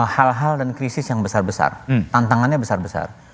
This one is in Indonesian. hal hal dan krisis yang besar besar tantangannya besar besar